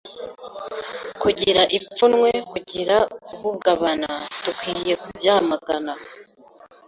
kugira ipfunwe kugira ihungabana dukwiyekubyamagana